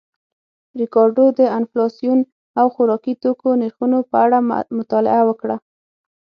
ریکارډو د انفلاسیون او خوراکي توکو نرخونو په اړه مطالعه وکړه